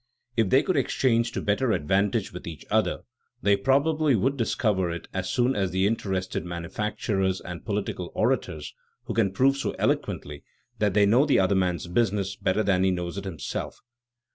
If they could exchange to better advantage with each other they probably would discover it as soon as the interested manufacturers and political orators who can prove so eloquently that they know the other man's business better than he knows it himself.